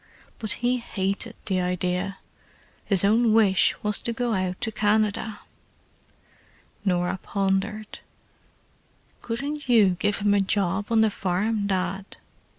But he hated the idea. His own wish was to go out to Canada." Norah pondered. "Couldn't you give him a job on the farm, Dad?"